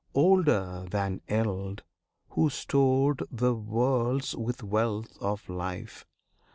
Older than eld, Who stored The worlds with wealth of life!